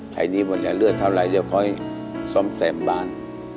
หนี้หมดแล้วเลือดเท่าไรเดี๋ยวค่อยซ่อมแซมบ้าน